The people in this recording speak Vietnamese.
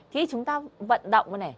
khi chúng ta vận động